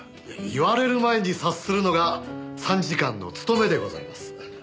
言われる前に察するのが参事官の務めでございます。